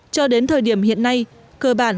cho đến thời điểm hiện nay cơ bản